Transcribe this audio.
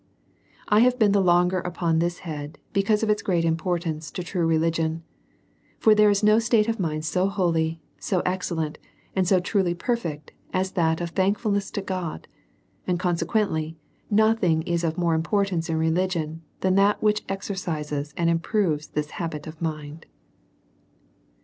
I have been the longer upon this head, because of its g reat importance to true religion. For there is no state of mind so holy, so excellent, and so truly per fect, as that of thankfulness to God ; and consequent ly nothing is of more importance in religioij, than that which exercises and improves this habit of mind.